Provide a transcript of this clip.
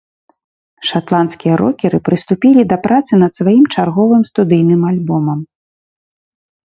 Шатландскія рокеры прыступілі да працы над сваім чарговым студыйным альбомам.